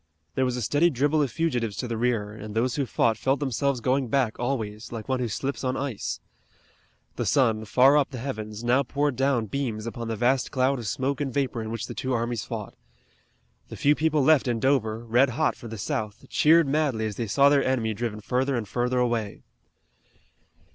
There was a steady dribble of fugitives to the rear, and those who fought felt themselves going back always, like one who slips on ice. The sun, far up the heavens, now poured down beams upon the vast cloud of smoke and vapor in which the two armies fought. The few people left in Dover, red hot for the South, cheered madly as they saw their enemy driven further and further away.